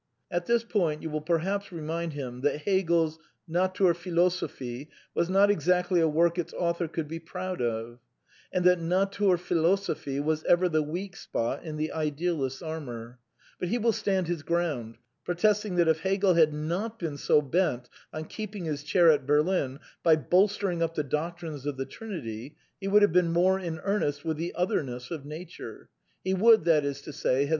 At this point you will perhaps remind him that Hegel's Naiurphilosophie was not exactly a work its author could be proud of ; and that Naturphilosophie was ever the weak spot in the Idealist's armour; but he wiU stand his groimd, protesting that, if Hegel had not been so bent on keeping his chair at Berlin by bolstering up the doctrine of the Trinity, he would have been more in earnest with the " otherness " of Nature ; he would, that is to say, have